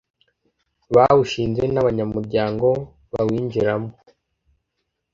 bawushinze n abanyamuryango bawinjiramo